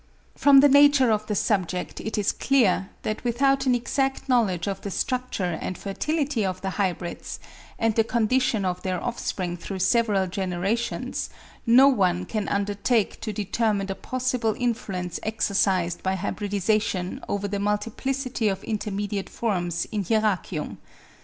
From the nature of the subject it is clear that without an exact knowledge of the structure and fertility of the hybrids and the condition of their offspring through several generations no one can undertake to determine the possible influence exercised by hybridisation over the multiplicity of intermediate forms in Hieracium.